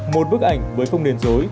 một bức ảnh với phông nền dối